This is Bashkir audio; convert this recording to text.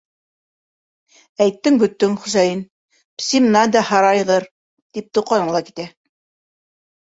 Әйттең - бөттөң, Хөсәйен: «Псим нада һарайғыр!» - тип тоҡана ла китә.